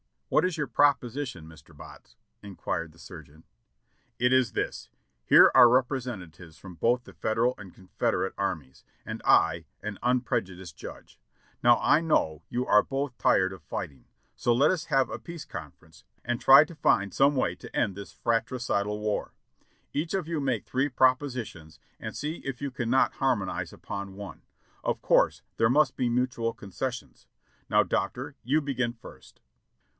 "What is your proposition, Mr. Botts?" inquired the surgeon. "It is this : here are representatives from both the Federal and Confederate armies, and I, an unprejudiced judge. Now I know you are both tired of fighting, so let us have a peace con ference, and try to find some way to end this fratricidal war. Each of you make three propositions and see if you cannot har monize upon one. Of course there must be mutual concessions. Now, Doctor, you begin first."